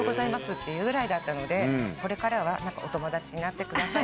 って言うぐらいだったのでお友達になってください